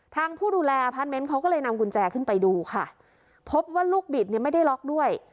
ผู้ดูแลอพาร์ทเมนต์เขาก็เลยนำกุญแจขึ้นไปดูค่ะพบว่าลูกบิดเนี่ยไม่ได้ล็อกด้วย